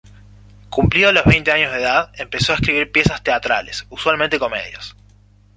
Cumplidos los veinte años de edad empezó a escribir piezas teatrales, usualmente comedias.